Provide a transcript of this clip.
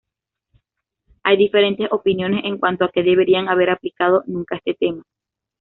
Hay diferentes opiniones en cuanto a que debería haber aplicado nunca este tema.